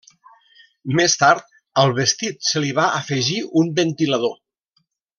Més tard al vestit se li va afegir un ventilador.